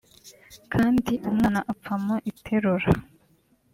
kandi umwana apfa mu iterura